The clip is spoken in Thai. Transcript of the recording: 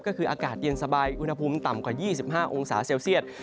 ก็คืออากาศเย็นสบายอุณหภูมิต่ำกว่า๒๕องศาเซลเซียต